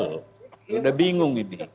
sudah bingung ini